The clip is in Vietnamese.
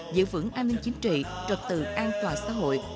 giữ vững an ninh chính trị trật tự an toàn xã hội